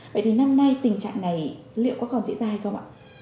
vậy thì năm nay tình trạng này liệu có còn diễn ra hay không ạ